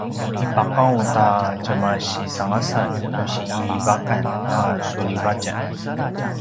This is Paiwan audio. ipaqaung ta tjemaisangasan tusi iljivakan a suljivatjan